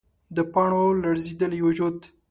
د پاڼو لړزیدلی وجود